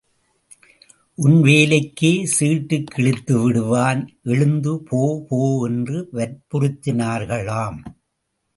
உன் வேலைக்கே சீட்டுக் கிழித்துவிடுவான் எழுந்து போ போ என்று வற்புறுத்தினார்களாம்.